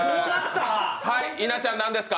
稲ちゃん何ですか？